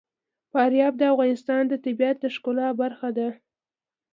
فاریاب د افغانستان د طبیعت د ښکلا برخه ده.